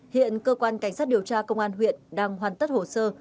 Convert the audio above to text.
hiện cơ quan cảnh sát điều tra công an huyện đang hoàn tất hồ sơ